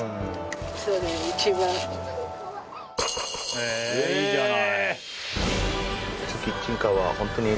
へぇいいじゃない。